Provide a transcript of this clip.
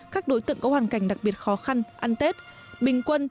các đối tượng có hoàn cảnh đặc biệt khó khăn ăn tết bình quân